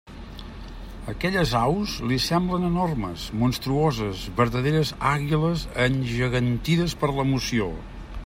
Aquelles aus li semblaven enormes, monstruoses, verdaderes àguiles, engegantides per l'emoció.